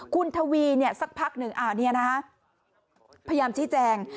คุณทวีเนี่ยสักพักหนึ่งเอานี่นะฮะพยายามชี้แจง